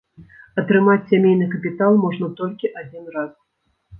Атрымаць сямейны капітал можна толькі адзін раз.